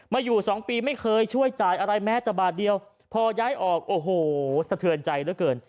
อยู่สองปีไม่เคยช่วยจ่ายอะไรแม้แต่บาทเดียวพอย้ายออกโอ้โหสะเทือนใจเหลือเกิน